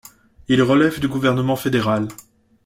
Il relève du gouvernement fédéral.